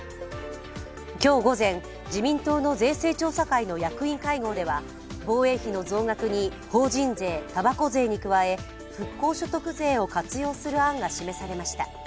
今日午前、自民党の税制調査会の役員会合では防衛費の増額に、法人税、たばこ税に加え、復興所得税を活用する案が示されました。